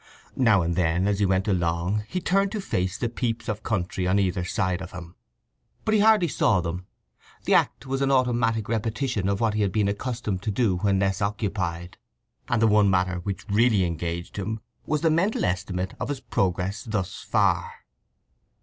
Now and then as he went along he turned to face the peeps of country on either side of him. But he hardly saw them; the act was an automatic repetition of what he had been accustomed to do when less occupied; and the one matter which really engaged him was the mental estimate of his progress thus far.